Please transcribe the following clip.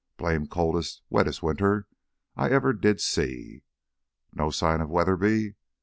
Blame coldest, wettest winter I ever did see! No sign of Weatherby?"